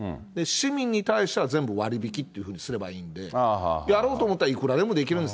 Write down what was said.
市民に対しては全部割引というふうにすればいいんで、やろうと思ったらいくらでもできるんです。